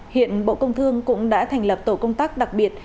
hiện bộ công thương cũng đã thành lập tổ công tác đặc biệt